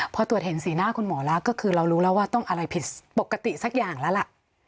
พอตรวจเห็นสีหน้าคุณหมอแล้วก็คือเรารู้แล้วว่าต้องอะไรผิดปกติสักอย่างแล้วล่ะ